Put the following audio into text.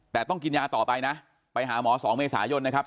แต่ต้องกินยาต่อไปนะไปหาหมอ๒เมษายนนะครับ